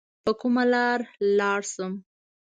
په کومه لار لاړ سم؟